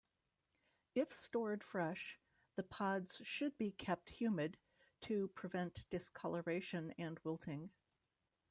If stored fresh, the pods should be kept humid to prevent discoloration and wilting.